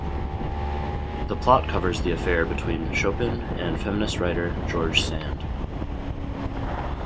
The plot covers the affair between Chopin and feminist writer George Sand.